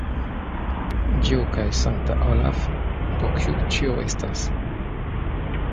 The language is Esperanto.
Dio kaj sankta Olaf, por kiu tio estas?